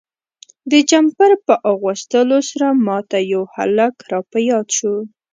د جمپر په اغوستلو سره ما ته یو هلک را په یاد شو.